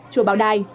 chùa bảo đài